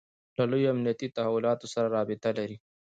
له لویو امنیتي تحولاتو سره رابطه لري.